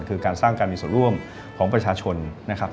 คือการสร้างการมีส่วนร่วมของประชาชนนะครับ